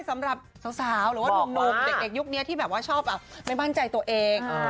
สำหรับสาวหรือว่ามุมนุบเด็กยุคนี้ที่ชอบไม่มั่นใจตัวเอง